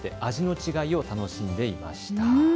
違いを楽しんでいました。